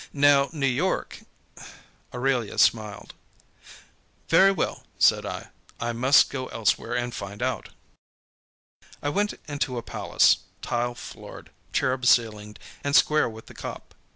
Now, New York " Aurelia smiled. "Very well," said I, "I must go elsewhere and find out." I went into a palace, tile floored, cherub ceilinged and square with the cop.